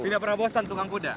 tidak pernah bosan tukang kuda